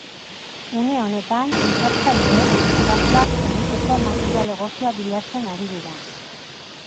Une honetan ikertzaileek xaflak egiteko material egokia bilatzen ari dira.